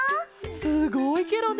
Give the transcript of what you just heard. すごいケロね！